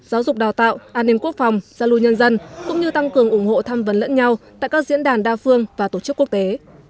giáo dục đào tạo an ninh quốc phòng giao lưu nhân dân cũng như tăng cường ủng hộ thăm vấn lẫn nhau tại các diễn đàn đa phương và tổ chức quốc tế